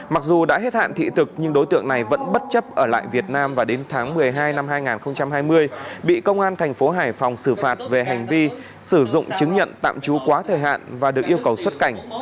mặc dù đã hết hạn thị thực nhưng đối tượng này vẫn bất chấp ở lại việt nam và đến tháng một mươi hai năm hai nghìn hai mươi bị công an thành phố hải phòng xử phạt về hành vi sử dụng chứng nhận tạm trú quá thời hạn và được yêu cầu xuất cảnh